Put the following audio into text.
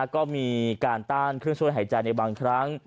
ก็มีการต้านเครื่องช่วยหายใจในบางครั้ง